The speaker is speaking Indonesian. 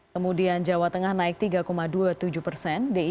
kemudian jawa tengah naik tiga dua puluh tujuh persen